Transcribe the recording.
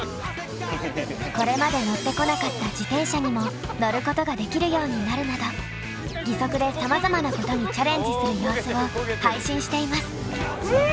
これまで乗ってこなかった自転車にも乗ることができるようになるなど義足でさまざまなことにチャレンジする様子を配信しています。